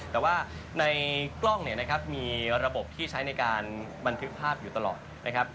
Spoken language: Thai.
แต่ว่าในกล้องเนี่ยนะครับมีระบบที่ใช้ในการบันทึกภาพอยู่ตลอดนะครับ